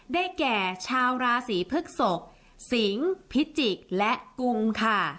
ได้แก่ชาวราศีพฤกษกสิงพิจิกษ์และกุมค่ะ